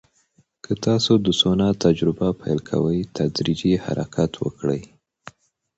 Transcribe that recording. که تاسو د سونا تجربه پیل کوئ، تدریجي حرکت وکړئ.